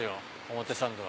表参道は。